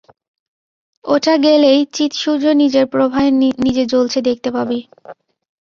ওটা গেলেই চিৎ-সূর্য নিজের প্রভায় নিজে জ্বলছে দেখতে পাবি।